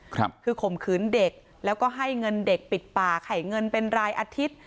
คือข่มขืนเด็กแล้วก็ให้เงินเด็กปิดป่าไข่เงินเป็นรายอาทิตย์